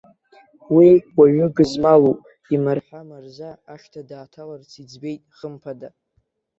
Уи уаҩы гызмалуп, имырҳәа-мырза ашҭа дааҭаларц иӡбеит, хымԥада.